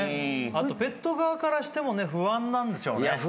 あとペット側からしても不安なんでしょうね。